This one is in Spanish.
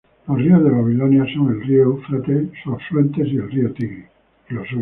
Los ríos de Babilonia son el río Eufrates, sus afluentes, y el río Tigris.